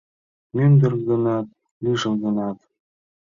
Мӱндыр гынат, лишыл гынат